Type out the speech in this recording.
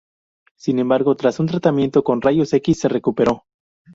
Sin embargo, tras un tratamiento con rayos X se recuperó.